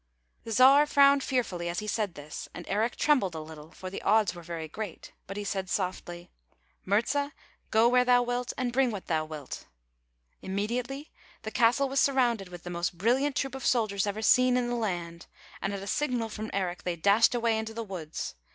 The Czar frowned fearfully as he said this, and Eric trembled a little, for the odds were veiy great; but he said softly, " Murza, [ 162 ] ERIC NO LUCK go where thou wilt, and bring what thou wilt." Immediately the castle was surrounded with the most brilliant troop of soldiers ever seen in the land, and at a signal from Eric, they dashed away into the woods.